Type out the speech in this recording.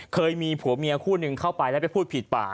เคยมีผัวเมียคู่หนึ่งเข้าไปแล้วไปพูดผิดป่า